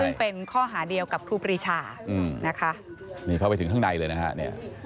ซึ่งเป็นข้อหาเดียวกับครูปรีชานะคะนี่เข้าไปถึงข้างในเลยนะฮะเนี่ย